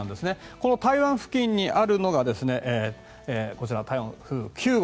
この台湾付近にあるのがこちら、台風９号。